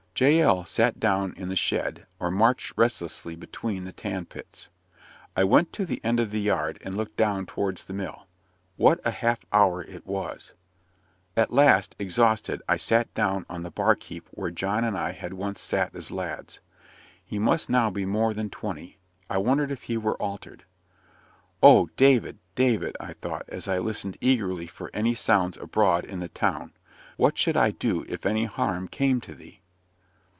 Jael sat down in the shed, or marched restlessly between the tan pits. I went to the end of the yard, and looked down towards the mill. What a half hour it was! At last, exhausted, I sat down on the bark heap where John and I had once sat as lads. He must now be more than twenty; I wondered if he were altered. "Oh, David! David!" I thought, as I listened eagerly for any sounds abroad in the town; "what should I do if any harm came to thee?"